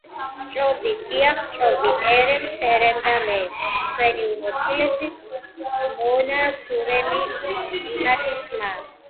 ვბჭობდით, დიაღ, ვბჭობდით ერემ, სერემ და მე, თქვენი უმორჩილესი მონა, სურემი, იმათი ძმა.